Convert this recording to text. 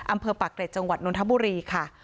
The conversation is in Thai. อำเภอปากเกร็จจังหวัดนทบุรีค่ะ